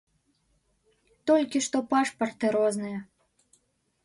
Толькі што пашпарты розныя.